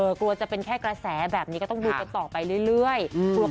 กลัวจะเป็นแค่กระแสแบบนี้ก็ต้องดูกันต่อไปเรื่อย